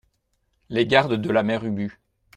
Les Gardes de la Mère Ubu.